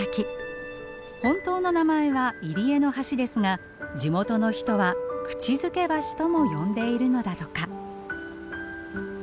本当の名前は入り江の橋ですが地元の人は口づけ橋とも呼んでいるのだとか。